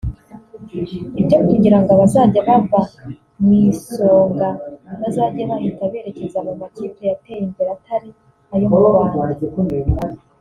Ibyo kugirango abazajya bava mu Isonga bazajye bahita berekeza mu makipe yateye imbere atari ayo mu Rwanda